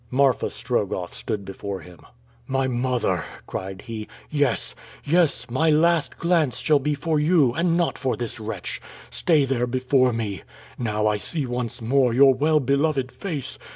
Marfa Strogoff stood before him. "My mother!" cried he. "Yes! yes! my last glance shall be for you, and not for this wretch! Stay there, before me! Now I see once more your well beloved face!